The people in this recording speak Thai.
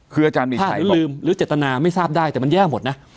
คืออาจารย์มีชัยลืมหรือเจตนาไม่ทราบได้แต่มันแย่หมดนะ